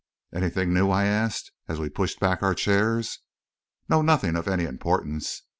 "Anything new?" I asked, as we pushed back our chairs. "No, nothing of any importance.